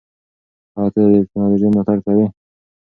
ایا ته د ټیکنالوژۍ ملاتړ کوې؟